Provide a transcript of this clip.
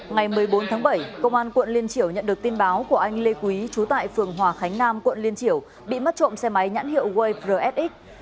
ngày một mươi bốn tháng bảy công an quận liên triểu nhận được tin báo của anh lê quý trú tại phường hòa khánh nam quận liên triểu bị mất trộm xe máy nhãn hiệu way rsx